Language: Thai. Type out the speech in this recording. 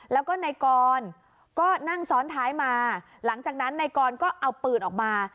แล้วก็นายกรก็นั่งซ้อนท้ายมาหลังจากนั้นนายกรก็เอาปืนออกมา